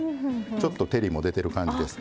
ちょっと照りも出てる感じです。